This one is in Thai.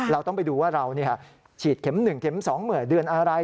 เราต้องไปดูว่าเราฉีดเข็ม๑เข็ม๒เมื่อเดือนอะไร